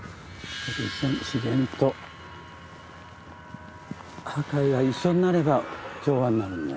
自然と破壊が一緒になれば調和になるんだな。